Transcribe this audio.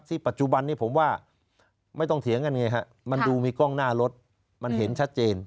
ปัจจุบันนี้ผมว่าไม่ต้องเถียงกันไงฮะมันดูมีกล้องหน้ารถมันเห็นชัดเจน